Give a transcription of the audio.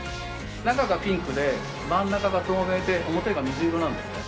中がピンクで真ん中が透明で表が水色なんですね。